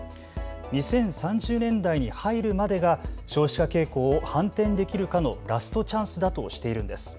２０３０年代に入るまでが少子化傾向を反転できるかのラストチャンスだとしているんです。